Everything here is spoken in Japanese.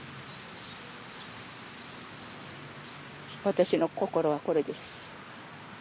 私の心はこれです。